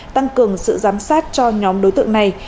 tăng cường sự giám sát cho nhóm đối tượng này